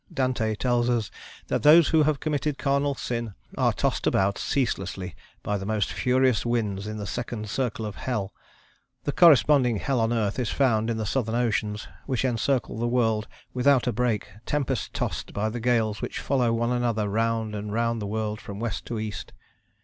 Dante tells us that those who have committed carnal sin are tossed about ceaselessly by the most furious winds in the second circle of Hell. The corresponding hell on earth is found in the southern oceans, which encircle the world without break, tempest tossed by the gales which follow one another round and round the world from West to East.